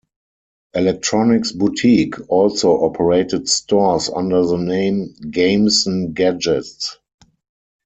Electronics Boutique also operated stores under the name Games 'n Gadgets.